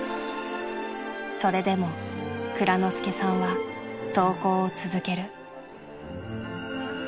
それでも蔵之介さんは投稿を続ける。